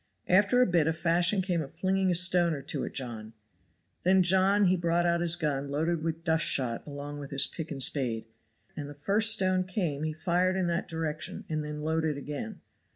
After a bit a fashion came up of flinging a stone or two at John; then John he brought out his gun loaded with dust shot along with his pick and spade, and the first stone came he fired sharp in that direction and then loaded again.